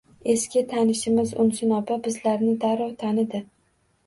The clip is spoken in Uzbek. Eski tanishimiz —Unsin opa bizlarni darrov tanidi.